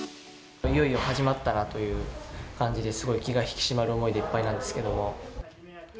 いよいよ始まったなという感じで、すごい気が引き締まる思いでいっぱいなんですけれども。